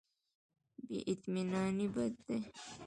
بې اطمیناني بد دی.